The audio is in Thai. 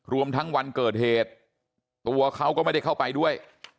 รวมทั้งวันเกิดเหตุตัวเขาก็ไม่ได้เข้าไปด้วย